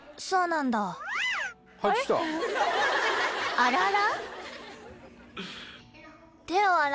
［あらら？］